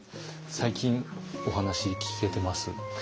最近お話聞けてます？